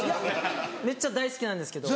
めっちゃ大好きなんですけど。